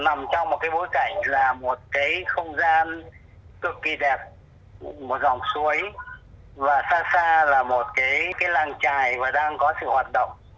nằm trong một cái bối cảnh là một cái không gian cực kỳ đẹp một dòng suối và xa xa là một cái làng trài và đang có sự hoạt động